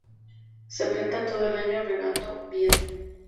Se planta todo el año, regando bien.